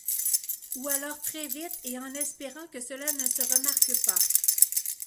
Ou alors très vite et en espérant que cela ne se remarque pas.